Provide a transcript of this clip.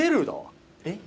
えっ？